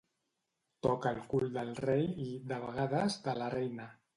Toca el cul del rei i, de vegades, de la reina.